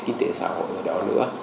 kinh tế xã hội